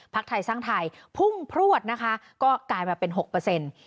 ไทยสร้างไทยพุ่งพลวดนะคะก็กลายมาเป็นหกเปอร์เซ็นต์